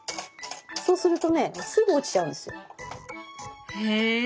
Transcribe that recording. そうするとねすぐ落ちちゃうんですよ。へ